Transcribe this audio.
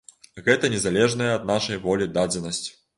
Гэта не залежная ад нашай волі дадзенасць.